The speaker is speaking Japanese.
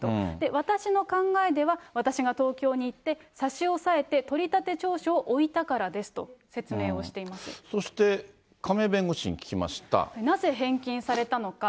私の考えでは、私が東京に行って差し押さえて取り立て調書を置いたからですと説そして、亀井弁護士に聞きまなぜ返金されたのか。